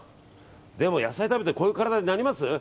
でも野菜食べてこういう体になります？